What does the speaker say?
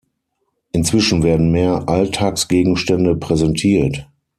Inzwischen werden mehr Alltagsgegenstände präsentiert.